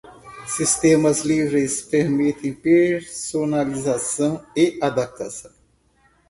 Sistemas livres permitem personalização e adaptação.